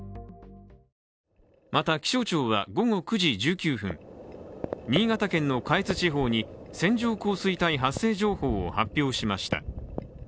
また、気象庁は午後９時１９分、新潟県の下越地方に線状降水帯発生情報を発表しました。